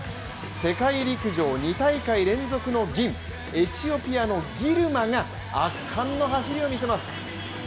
世界陸上２大会連続の銀、エチオピアのギルマが圧巻の走りをみせます。